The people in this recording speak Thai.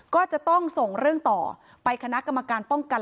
ก็จะต้องส่งเรื่องต่อไปคณะกรรมการป้องกัน